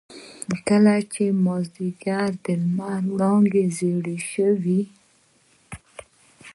کله چې مازيګر د لمر وړانګې زيړې شوې.